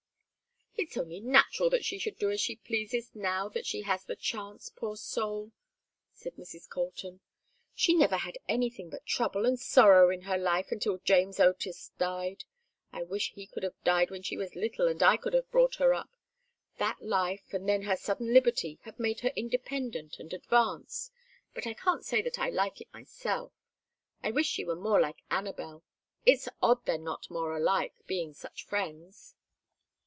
"It is only natural that she should do as she pleases now that she has the chance, poor soul," said Mrs. Colton. "She never had anything but trouble and sorrow in her life until James Otis died. I wish he could have died when she was little and I could have brought her up. That life, and then her sudden liberty, have made her independent and advanced, but I can't say that I like it myself. I wish she were more like Anabel. It's odd they're not more alike, being such friends."